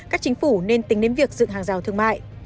các chính phủ nên tính đến việc dựng hàng rào thương mại